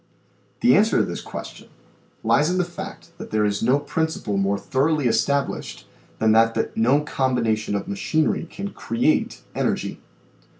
The answer to this question lies in the fact that there is no principle more thoroughly established than that no combination of machinery can create energy.